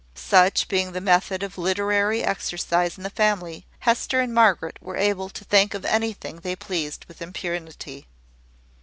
Such being the method of literary exercise in the family, Hester and Margaret were able to think of anything they pleased with impunity.